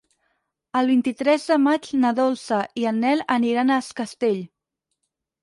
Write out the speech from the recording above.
El vint-i-tres de maig na Dolça i en Nel aniran a Es Castell.